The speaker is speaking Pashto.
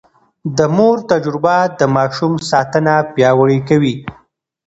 د مور تجربه د ماشوم ساتنه پياوړې کوي.